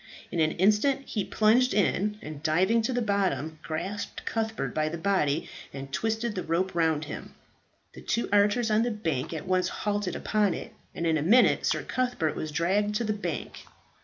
In an instant he plunged in, and diving to the bottom, grasped Cuthbert by the body, and twisted the rope round him. The two archers on the bank at once hauled upon it, and in a minute Sir Cuthbert was dragged to the bank.